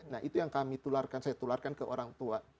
nah itu yang kami tularkan saya tularkan ke orang tua